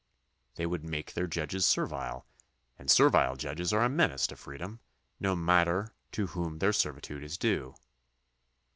They would make their judges servile, and servile judges are a menace to freedom, no matter to whom their servitude is due.